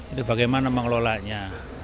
itu bagaimana mengelolanya